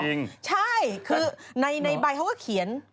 จริงเหรอใช่คือในใบเขาก็เขียน